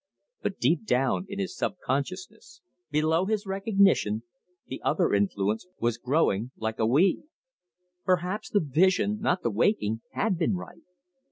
But deep down in his sub consciousness, below his recognition, the other influence was growing like a weed. Perhaps the vision, not the waking, had been right.